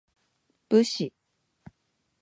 武士